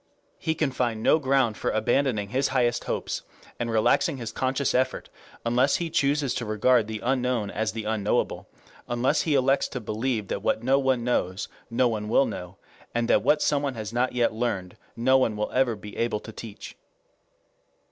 He can find no ground for abandoning his highest hopes and relaxing his conscious effort unless he chooses to regard the unknown as the unknowable, unless he elects to believe that what no one knows no one will know, and that what someone has not yet learned no one will ever be able to teach.